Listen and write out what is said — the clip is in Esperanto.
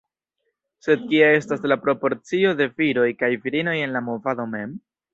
Sed kia estas la proporcio de viroj kaj virinoj en la movado mem?